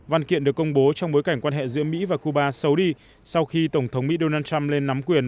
văn kiện được công bố trong bối cảnh quan hệ giữa mỹ và cuba xấu đi sau khi tổng thống mỹ donald trump lên nắm quyền